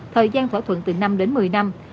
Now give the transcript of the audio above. thời gian thỏa thuận từ năm đến một mươi năm